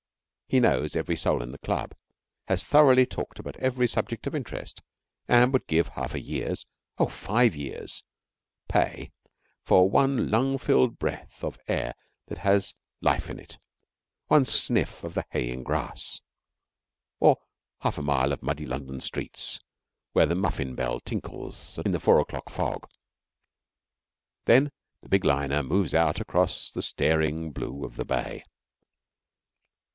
He knows every soul in the club, has thoroughly talked out every subject of interest, and would give half a year's oh, five years' pay for one lung filling breath of air that has life in it, one sniff of the haying grass, or half a mile of muddy London street where the muffin bell tinkles in the four o'clock fog. Then the big liner moves out across the staring blue of the bay.